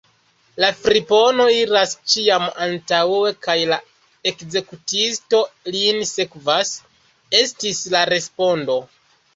La fripono iras ĉiam antaŭe, kaj la ekzekutisto lin sekvas, estis la respondo.